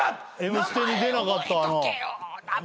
『Ｍステ』に出なかったあの。